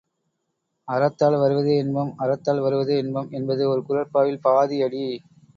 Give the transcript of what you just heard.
அறத்தால் வருவதே இன்பம் அறத்தால் வருவதே இன்பம் என்பது ஒரு குறட்பாவில் பாதி அடி.